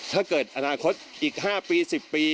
ถ้าเกิดอนาคตอีก๕ปี๑๐ปี